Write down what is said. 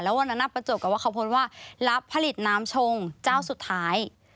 แล้ววันนั้นณประโจกก็เขาพูดว่ารับผลิตน้ำชงเจ้าสุดท้าย